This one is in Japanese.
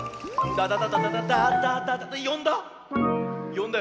よんだ？